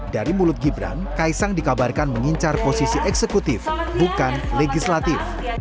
dari mulut gibran kaisang dikabarkan mengincar posisi eksekutif bukan legislatif